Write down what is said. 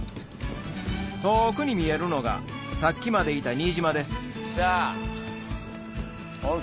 遠くに見えるのがさっきまでいた新島です